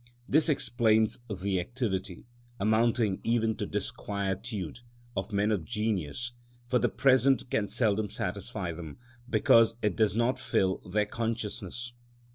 This explains the activity, amounting even to disquietude, of men of genius, for the present can seldom satisfy them, because it does not fill their consciousness.